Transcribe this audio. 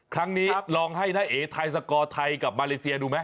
ครั้งนี้ลองให้น้าเอ๋ไทยสกอร์ไทยกับมาเลเซียดูไหม